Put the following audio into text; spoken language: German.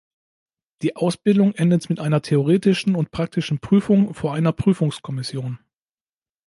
Die Ausbildung endet mit einer theoretischen und praktischen Prüfung vor einer Prüfungskommission.